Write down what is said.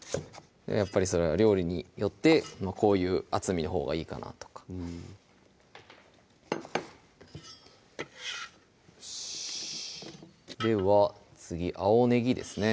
やっぱりそれは料理によってこういう厚みのほうがいいかなとかよしでは次青ねぎですね